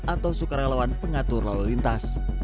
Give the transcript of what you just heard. atau sukarelawan pengatur lalu lintas